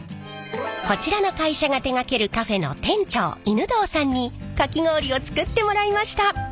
こちらの会社が手がけるカフェの店長犬童さんにかき氷を作ってもらいました。